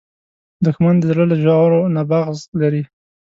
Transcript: دښمن د زړه له ژورو نه بغض لري